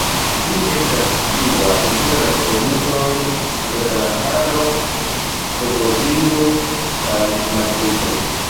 Ĝi estas situa inter la provincoj Gvadalaĥaro, Segovio kaj Madrido.